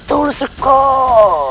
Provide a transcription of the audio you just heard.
tentu sekali raden